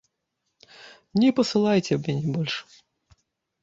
Не пасылайце мяне больш.